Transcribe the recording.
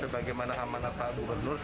bagaimana amanah saat buber dus